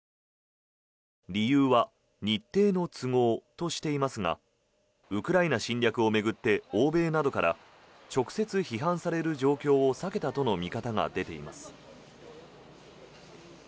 理由は日程の都合としていますがウクライナ侵略を巡って欧米などから直接批判される状況を避けたとの見方が出ています。